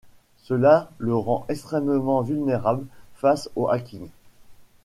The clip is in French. Cela le rend extrêmement vulnérable face au hacking.